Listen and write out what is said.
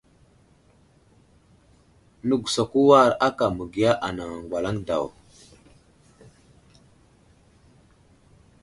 Nəgusako war aka ma məgiya anaŋ aŋgwalaŋ daw.